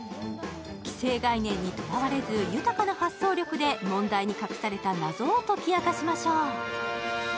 既成概念にとらわれず豊かな発想力で問題に隠された謎を解き明かしましょう。